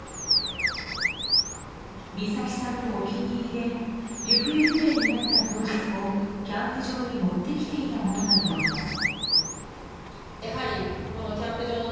美咲さんのお気に入りで行方不明になった当日もキャンプ場に持ってきていたものだといいます。